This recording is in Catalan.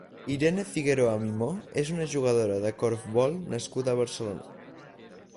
Irene Figueroa Mimó és una jugadora de corfbol nascuda a Barcelona.